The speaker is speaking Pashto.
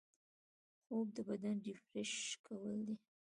خوب د بدن ریفریش کول دي